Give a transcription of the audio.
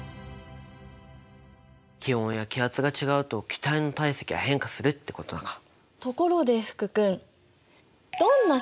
気温や気圧が違うと気体の体積は変化するってことか。